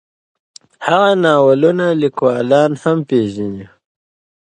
هغه د ناولونو لیکوالان هم پېژني.